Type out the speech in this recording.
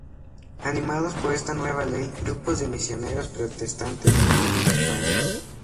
Animados por esta nueva ley, grupos de misioneros protestantes vinieron a España.